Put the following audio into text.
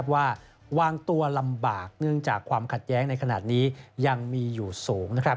ว่าวางตัวลำบากเนื่องจากความขัดแย้งในขณะนี้ยังมีอยู่สูง